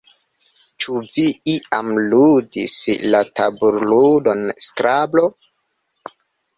Ĉu vi iam ludis la tabulludon Skrablo?